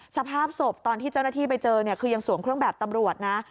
สภาพศพตอนที่เจ้าหน้าที่ไปเจอเนี่ยคือยังสวมเครื่องแบบตำรวจนะ